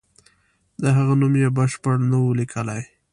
د هغه نوم یې بشپړ نه وو لیکلی.